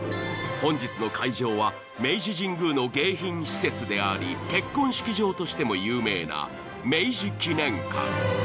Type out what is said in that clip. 本日の会場は明治神宮の迎賓施設であり結婚式場としても有名な明治記念館。